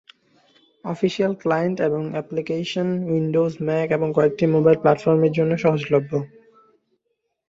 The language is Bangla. অফিসিয়াল ক্লায়েন্ট এবং অ্যাপ্লিকেশন উইন্ডোজ, ম্যাক এবং কয়েকটি মোবাইল প্ল্যাটফর্মের জন্য সহজলভ্য।